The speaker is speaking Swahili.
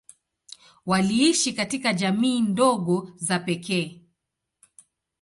Waliishi katika jamii ndogo za pekee.